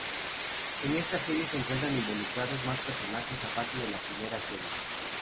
En estas series se encuentran involucrados más personajes aparte de la primera serie.